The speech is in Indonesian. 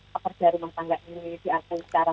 pekerja rumah tangga ini diakui secara